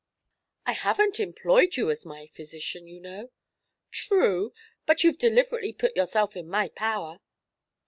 "I haven't employed you as my physician, you know." "True. But you've deliberately put yourself in my power."